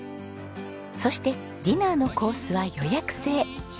そしてディナーのコースは予約制。